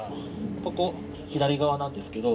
ここ左側なんですけど。